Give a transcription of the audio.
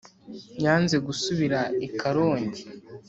Yanze gusubira i karongi